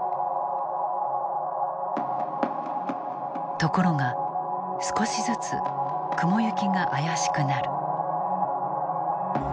ところが、少しずつ雲行きが怪しくなる。